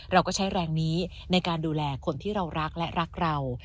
เราก็ใช้แรงนี้ในการดูแลคนที่เรารักและรักเรา